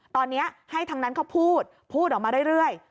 ตอนนี้ให้ทางนั้นเขาพูดพูดออกมาเรื่อย